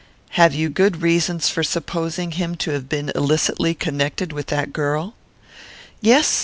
"Have you good reasons for supposing him to have been illicitly connected with that girl?" "Yes.